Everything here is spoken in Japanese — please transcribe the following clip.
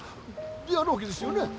であるわけですよね？